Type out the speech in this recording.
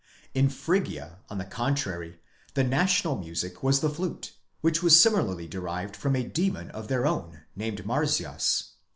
In Phrygia, on the contrary, the national music was the flute, which was similarly derived from a demon of their own, named Marsyas.